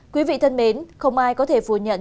quý vị thân mến không ai có thể phủ nhận